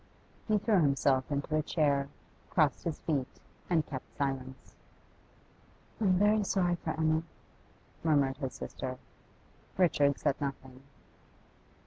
He threw himself into a chair, crossed his feet, and kept silence. 'I'm very sorry for Emma,' murmured his sister. Richard said nothing.